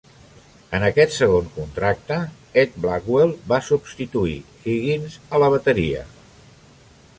En aquest segon contracte Ed Blackwell va substituir Higgins a la bateria.